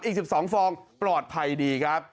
อีก๑๒ฟองปลอดภัยดีครับ